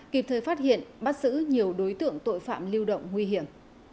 kịp thời phát hiện bắt giữ nhiều đối tượng tội phạm lưu động nguy hiểm